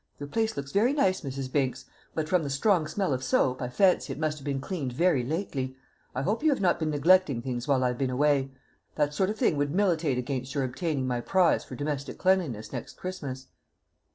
Your place looks very nice, Mrs. Binks; but from the strong smell of soap, I fancy it must have been cleaned very lately. I hope you have not been neglecting things while I've been away. That sort of thing would militate against your obtaining my prize for domestic cleanliness next Christmas."